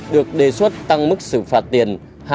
được đề xuất tăng mức sự phạt tiền